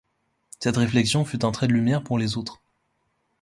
Cette réflexion fut un trait de lumière pour les autres.